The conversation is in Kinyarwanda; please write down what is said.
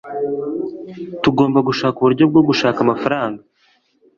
tugomba gushaka uburyo bwo gushaka amafaranga